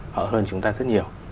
họ hơn chúng ta rất nhiều